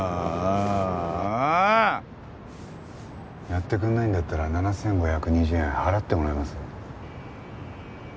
やってくんないんだったら７５２０円払ってもらえます？